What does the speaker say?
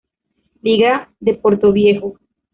Liga de Portoviejo